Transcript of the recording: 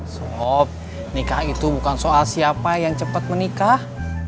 sebab nikah itu bukan soal siapa yang cepat menikah